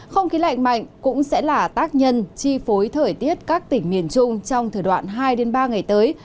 không khí lạnh mạnh cũng sẽ là tác nhân chi phối thời tiết các tỉnh miền trung trong thời đoạn hai ba ngày tới